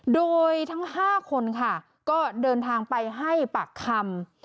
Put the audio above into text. โดยทั้ง๕คนค่ะก็เดินทางไปให้ปากคำ